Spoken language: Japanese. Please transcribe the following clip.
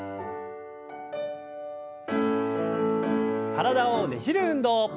体をねじる運動。